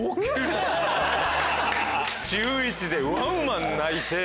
中１でワンワン泣いて。